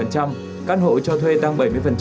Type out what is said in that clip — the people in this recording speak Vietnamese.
căn hộ cho thuê tăng bảy mươi